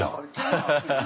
ハハハハハ。